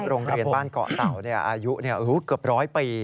โรงเรียนบ้านเกาะเต่าอายุเกือบร้อยปี